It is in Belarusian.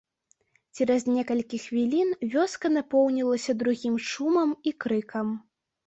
Цераз некалькі хвілін вёска напоўнілася другім шумам і крыкам.